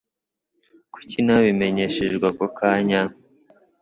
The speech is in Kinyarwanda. Kuki ntabimenyeshejwe ako kanya?